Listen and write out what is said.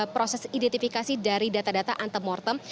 proses identifikasi dari data data antemortem